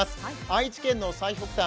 愛知県の最北端